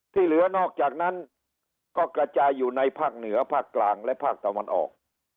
ที่เหลือนอกจากนั้นก็กระจายอยู่ในภาคเหนือภาคกลางและภาคตะวันออก